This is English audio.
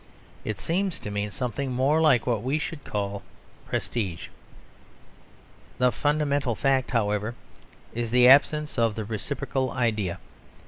It seems to mean something more like what we should call "prestige." The fundamental fact, however, is the absence of the reciprocal idea.